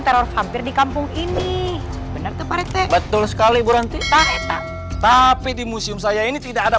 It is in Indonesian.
teror hampir di kampung ini bener tepate betul sekali buranti tapi di museum saya ini tidak ada